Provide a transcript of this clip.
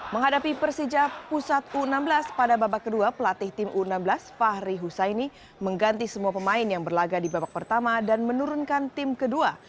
menghadapi persija pusat u enam belas pada babak kedua pelatih tim u enam belas fahri husaini mengganti semua pemain yang berlaga di babak pertama dan menurunkan tim kedua